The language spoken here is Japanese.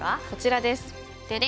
こちらです。